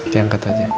kita angkat aja